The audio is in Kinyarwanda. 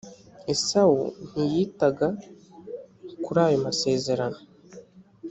esawu ntiyitaga kuri ayo masezerano